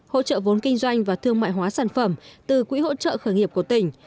hỗ trợ vốn kinh doanh và thương mại hóa sản phẩm từ quỹ hỗ trợ khởi nghiệp của tỉnh